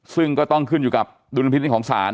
ซึ่งก็ต้องขึ้นอยู่กับดุลพินิษฐของศาล